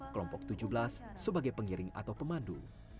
kelompok tujuh belas sebagai pengiring atau pemandu